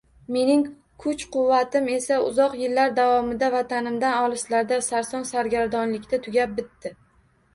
Mening kuch-quvvatim esa uzoq yillar davomida vatanimdan olislarda, sarson-sargardonlikda tugab bitdi